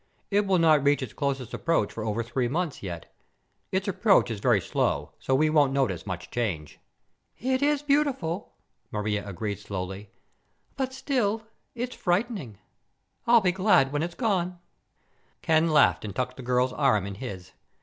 It will not reach its closest approach for over three months, yet. Its approach is very slow so we won't notice much change." "It is beautiful," Maria agreed slowly, "but, still, it's frightening. I'll be glad when it's gone." Ken laughed and tucked the girl's arm in his.